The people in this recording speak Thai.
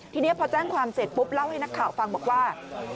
ทีนี้พอแจ้งความเสร็จปุ๊บเล่าให้นักข่าวฟังบอกว่า